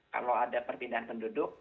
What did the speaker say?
kalau ada perpindahan penduduk